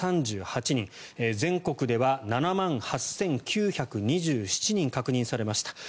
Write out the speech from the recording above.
全国では７万８９２７人確認されました。